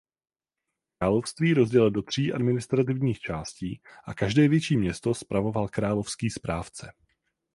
Království rozdělil do tří administrativních částí a každé větší město spravoval královský správce.